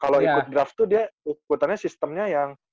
kalo ikut draft tuh dia ikutannya sistemnya yang